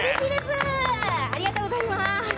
ありがとうございます。